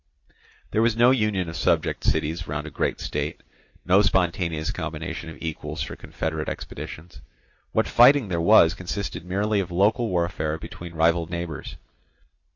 There was no union of subject cities round a great state, no spontaneous combination of equals for confederate expeditions; what fighting there was consisted merely of local warfare between rival neighbours.